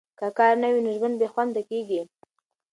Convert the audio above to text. که کار نه وي، نو ژوند بې خونده کیږي.